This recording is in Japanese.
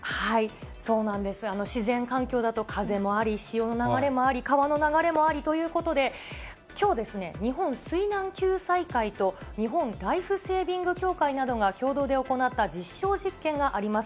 そうなんです、自然環境だと風もあり、潮の流れもあり、川の流れもありということで、きょう、日本水難救済会と日本ライフセービング協会などが共同で行った実証実験があります。